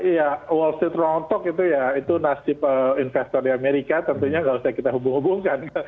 iya wall street rontok itu ya itu nasib investor di amerika tentunya nggak usah kita hubung hubungkan